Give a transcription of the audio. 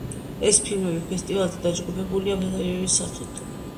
ეს ფილმები ფესტივალზე დაჯგუფებულია სერიების სახით.